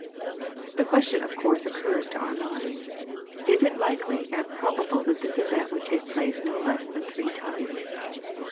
The question of course occurs to our minds :" Is it likely and prob able that this event would take place no less than three times